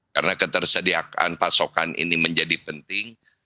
karena ketersediaan pasokan ini menjadi penting